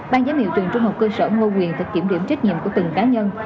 ban giám hiệu trường trung học cơ sở ngô quyền thực kiểm điểm trách nhiệm của từng cá nhân